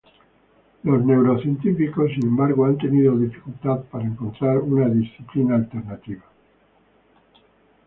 Los neurocientíficos, sin embargo, han tenido dificultad para encontrar una disciplina alternativa.